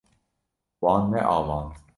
Wan neavand.